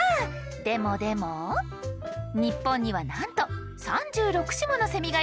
でもでも日本にはなんと３６種ものセミがいるんですよ！